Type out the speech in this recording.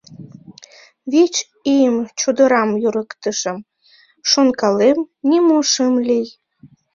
— Вич ийым чодырам йӧрыктышым, шонкалем, нимо шым лий.